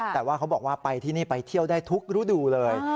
แต่ว่าเขาบอกว่าไปที่นี่ไปเที่ยวได้ทุกฤดูเลย